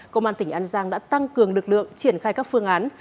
công an tỉnh an giang đã tăng cường lực lượng triển khai các phương án